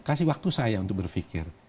kasih waktu saya untuk berpikir